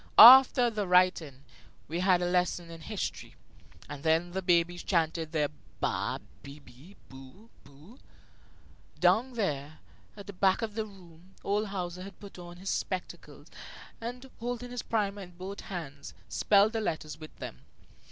After the writing, we had a lesson in history, and then the babies chanted their ba, be, bi, bo, bu. Down there at the back of the room old Hauser had put on his spectacles and, holding his primer in both hands, spelled the letters with them.